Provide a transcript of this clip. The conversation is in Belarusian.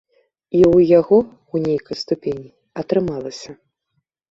І ў яго, у нейкай ступені, атрымалася.